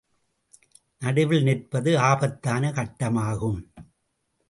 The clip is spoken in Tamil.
நடுவில் நிற்பது ஆபத்தான கட்டமாகும்.